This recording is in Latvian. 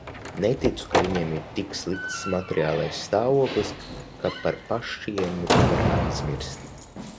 Neticu, ka viņiem ir tik slikts materiālais stāvoklis, ka par pašcieņu var aizmirst.